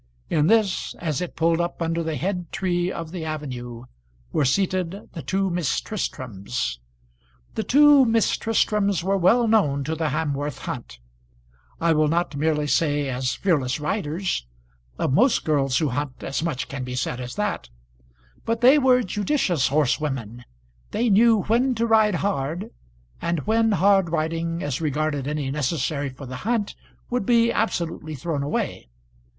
In this as it pulled up under the head tree of the avenue were seated the two Miss Tristrams. The two Miss Tristrams were well known to the Hamworth Hunt I will not merely say as fearless riders, of most girls who hunt as much can be said as that; but they were judicious horsewomen; they knew when to ride hard, and when hard riding, as regarded any necessary for the hunt, would be absolutely thrown away.